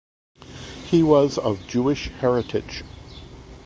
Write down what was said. He was of Jewish heritage.